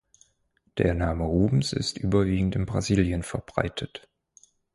Der Name Rubens ist überwiegend in Brasilien verbreitet.